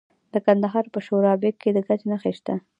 د کندهار په شورابک کې د ګچ نښې شته.